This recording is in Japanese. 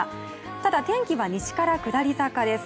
ただ天気は西から下り坂です。